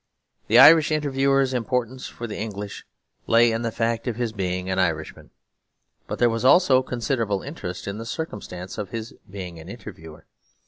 The Irish interviewer's importance for the English lay in the fact of his being an Irishman, but there was also considerable interest in the circumstance of his being an interviewer.